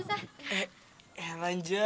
sisi jangan kemana mana